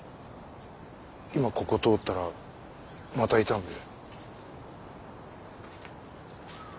今ここ通ったらまたいたんで。